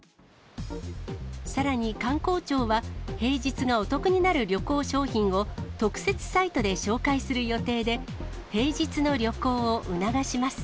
さらに観光庁は、平日がお得になる旅行商品を特設サイトで紹介する予定で、平日の旅行を促します。